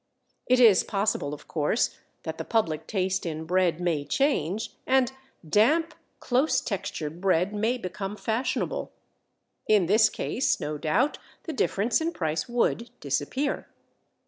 It is possible of course that the public taste in bread may change, and damp close textured bread may become fashionable. In this case no doubt the difference in price would disappear.